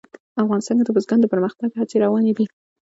افغانستان کې د بزګان د پرمختګ هڅې روانې دي.